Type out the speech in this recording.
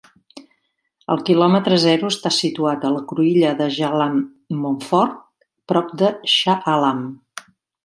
El quilòmetre zero està situat a la cruïlla de Jalan Monfort, prop de Shah Alam.